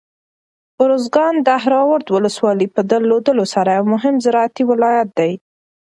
ارزګان د دهراود ولسوالۍ په درلودلو سره یو مهم زراعتي ولایت دی.